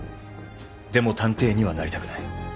でも探偵にはなりたくない。